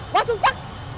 quá xuất sắc